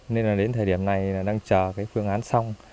nên đến thời điểm này đang chờ phương án xong